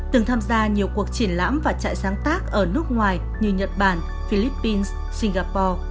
từng tham gia nhiều cuộc triển lãm và trạc giáng tác ở nước ngoài như nhật bản philippines singapore